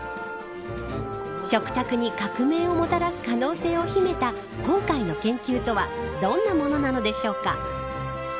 食卓に革命をもたらす可能性を秘めた今回の研究とはどんなものなのでしょうか。